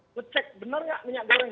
ngecek bener gak minyak goreng